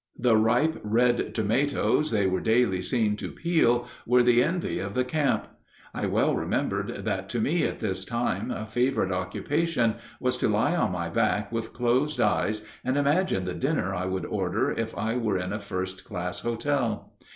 The ripe red tomatoes they were daily seen to peel were the envy of the camp. I well remember that to me, at this time, a favorite occupation was to lie on my back with closed eyes and imagine the dinner I would order if I were in a first class hotel.